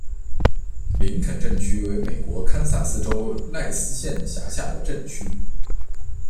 林肯镇区为美国堪萨斯州赖斯县辖下的镇区。